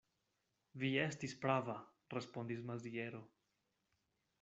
Vi estis prava, respondis Maziero.